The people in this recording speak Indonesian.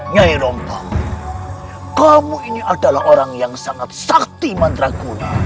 nyai rompong kamu ini adalah orang yang sangat saktiman draguna